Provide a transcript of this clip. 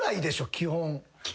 基本！？